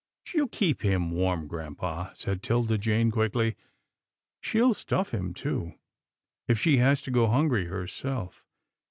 " She'll keep him warm, grampa," said 'Tilda Jane quickly, " she'll stuff him too, if she has to go hungry herself.